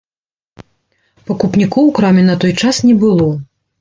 Пакупнікоў у краме на той час не было.